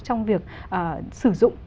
trong việc sử dụng